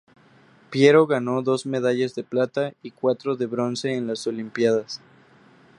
Piero ganó dos medallas de plata y cuatro de bronce en las olimpiadas.